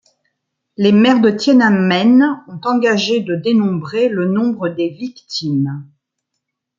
Les Mères de Tiananmen ont engagé de dénombrer le nombre des victimes.